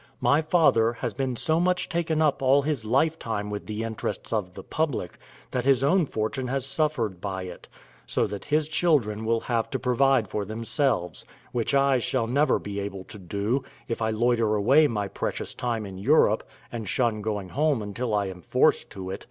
My Father has been so much taken up all his lifetime with the interests of the public, that his own fortune has suffered by it; so that his children will have to provide for themselves, which I shall never be able to do, if I loiter away my precious time in Europe and shun going home until I am forced to it.